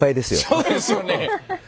そうですよね。